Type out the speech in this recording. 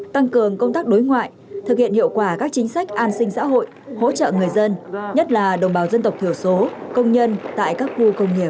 tăng cường công tác đối ngoại thực hiện hiệu quả các chính sách an sinh xã hội hỗ trợ người dân nhất là đồng bào dân tộc thiểu số công nhân tại các khu công nghiệp